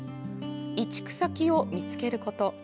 移築先を見つけること。